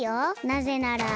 なぜなら。